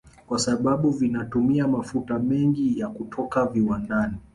Kwa sababu vinatumia mafuta mengi ya kutoka viwandani